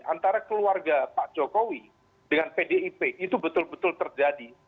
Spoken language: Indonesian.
antara keluarga pak jokowi dengan pdip itu betul betul terjadi